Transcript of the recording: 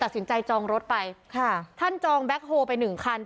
ตัดสินใจจองรถไปค่ะท่านจองแบ็คโฮลไปหนึ่งคัน